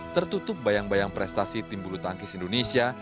tertutup bayang bayang prestasi tim bulu tangkis indonesia